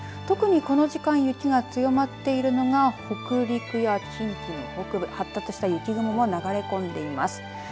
特にこの時間、雪が強まっているのが北陸や近畿の北部発達した雪雲が流れ込んでいます。